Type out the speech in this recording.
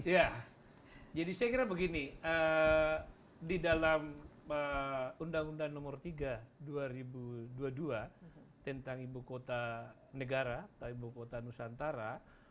ya jadi saya kira begini di dalam undang undang nomor tiga dua ribu dua puluh dua tentang ibu kota negara atau ibu kota nusantara